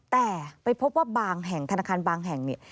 แต่ไปพบว่าบางแห่งธนาคารบางแห่งเนี่ย